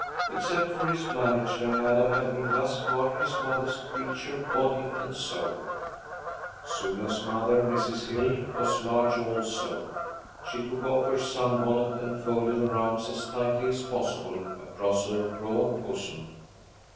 Except for his marriage, young Adam had been thus far his mother's creature, body and soul. Sula's mother, Mrs. Hill, was large also. She took off her sunbonnet, and folded her arms as tightly as possible across her broad bosom.